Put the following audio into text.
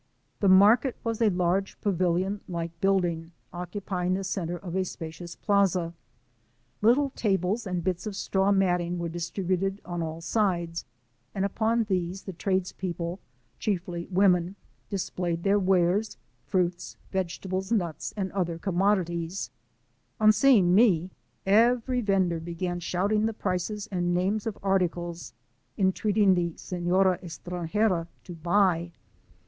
The market was a large, pavilion like building, occupying the cen ter of a spacious plaza. Little tables and bits of straw matting were distributed on all sides; and upon these the trades people, chiefly women, displayed their wares, fruits, vegetables nuts, and other com moditie;;. On !,teiiig ine, cvt;ry vender began shouting the prices and names I of articles, entreating the senora tstrangcra to buy.